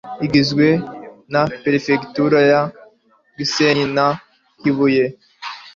igizwe na Perefegitura ya Gisenyi na Kibuye